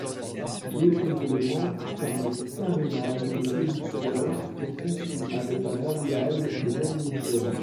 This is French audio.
D'autres éléments, comme les carénages de réducteurs furent conçus avec un alliage de magnésium.